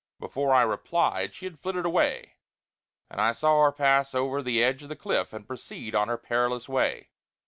Before I replied she had flitted away, and I saw her pass over the edge of the cliff and proceed on her perilous way.